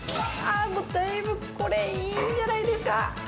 だいぶこれ、いいんじゃないですか。